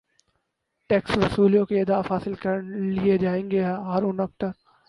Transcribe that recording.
tax وصولی کے اہداف حاصل کرلئے جائیں گے ہارون اختر